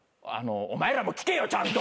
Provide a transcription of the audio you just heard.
お前らも聞けよちゃんと。